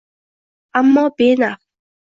Ammo benaf.